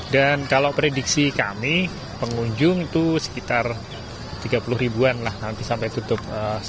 dan kalau prediksi kami pengunjung itu sekitar tiga puluh lah nanti sampai tutup